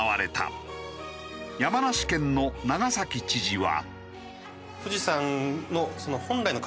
山梨県の長崎知事は。